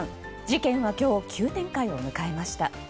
事件は今日急展開を迎えました。